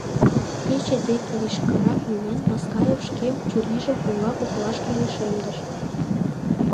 Пече деке лишкырак миен, Маскаев шке чурийжым оҥа коклашке лишемдыш.